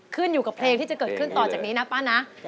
ขึ้นอยู่กับเพลงที่จะเกิดขึ้นต่อจากนี้นะป้านะ